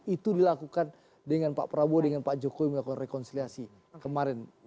itu dilakukan dengan pak prabowo dengan pak jokowi melakukan rekonsiliasi kemarin